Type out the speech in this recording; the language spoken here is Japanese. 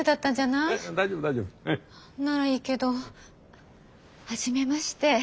ならいいけど。初めまして。